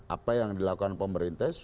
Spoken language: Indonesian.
apa yang dilakukan pemerintah